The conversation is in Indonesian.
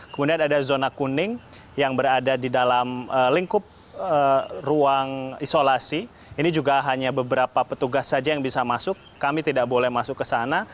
kemudian ada zona kuning yang berada di dalam lingkup ruang isolasi ini juga hanya beberapa petugas saja yang bisa masuk kami tidak boleh masuk ke sana